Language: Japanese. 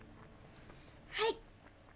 はい！